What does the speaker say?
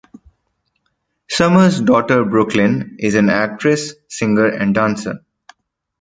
Summer's daughter Brooklyn is an actress, singer and dancer.